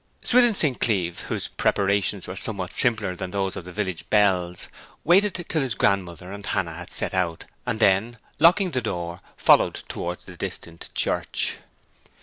Swithin St. Cleeve, whose preparations were somewhat simpler than those of the village belles, waited till his grandmother and Hannah had set out, and then, locking the door, followed towards the distant church.